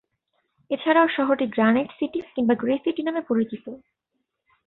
এছাড়াও, শহরটি "granite city" কিংবা "গ্রে সিটি" নামে পরিচিত।